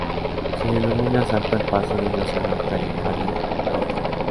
Se denomina salto al paso de una zona tarifaria a otra.